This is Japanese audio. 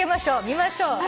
見ましょう。